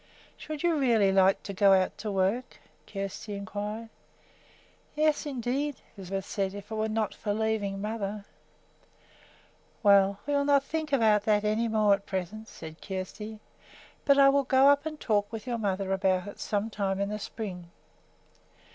"Should you really like to go out to work?" Kjersti inquired. "Yes, indeed," Lisbeth said, "if it were not for leaving mother." "Well, we will not think about that any more at present," said Kjersti, "but I will go up and talk with your mother about it some time in the spring.